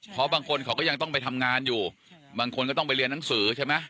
เพราะบางคนเขาก็ยังต้องไปทำงานอยู่บางคนก็ต้องไปเรียนหนังสือใช่ไหม